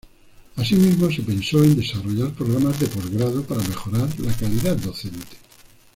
Asimismo se pensó en desarrollar programas de post-grado para mejorar la calidad docente.